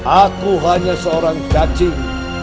aku hanya seorang cacing